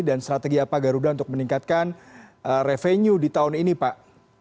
dan strategi apa garuda untuk meningkatkan revenue di tahun ini pak